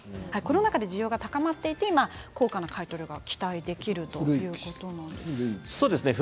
コロナ禍で需要が高まっていて高価な買い取りが期待できるということです。